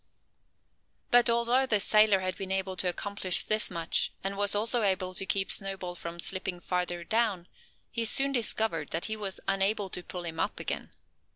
But although the sailor had been able to accomplish this much, and was also able to keep Snowball from slipping farther down, he soon discovered that he was unable to pull him up again.